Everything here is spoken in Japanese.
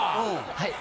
はい。